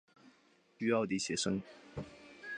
於澳底写生